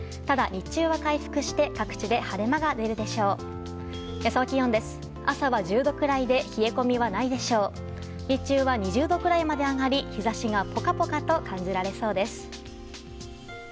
日中は２０度くらいまで上がり日差しがポカポカと感じられそうです。